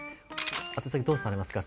「宛先どうされますか？」